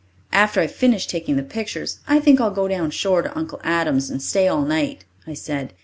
"After I've finished taking the pictures, I think I'll go down shore to Uncle Adam's and stay all night," I said.